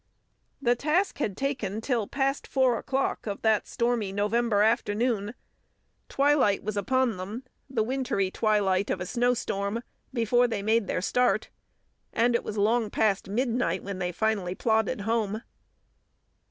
The task had taken till past four o'clock of that stormy November afternoon. Twilight was upon them, the wintry twilight of a snowstorm, before they made start; and it was long past midnight when they finally plodded home.